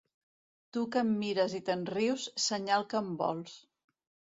Tu que em mires i te'n rius, senyal que em vols.